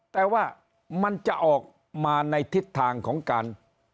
แต่ว่ามันจะออกมาในทิศทางของการ